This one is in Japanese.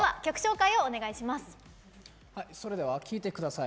それでは聴いてください。